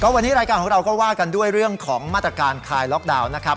วันนี้รายการของเราก็ว่ากันด้วยเรื่องของมาตรการคลายล็อกดาวน์นะครับ